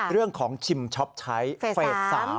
เรื่องของชิมช็อปไชต์เฟส๓